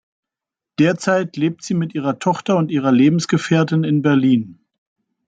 Derzeit lebt sie mit ihrer Tochter und ihrer Lebensgefährtin in Berlin.